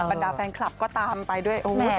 บรรดาแฟนคลับก็ตามไปด้วย